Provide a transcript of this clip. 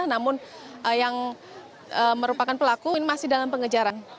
namun yang merupakan pelaku ini masih dalam pengejaran